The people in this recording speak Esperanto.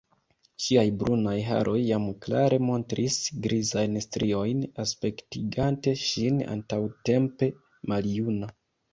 Ŝiaj brunaj haroj jam klare montris grizajn striojn, aspektigante ŝin antaŭtempe maljuna.